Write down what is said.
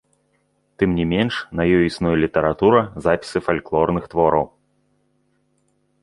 Тым не менш, на ёй існуе літаратура, запісы фальклорных твораў.